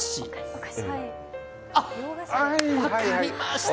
あっ、分かりました！